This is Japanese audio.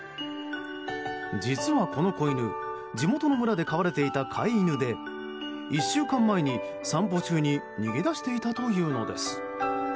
実は、この子犬地元の村で飼われていた飼い犬で１週間前に、散歩中に逃げ出していたというのです。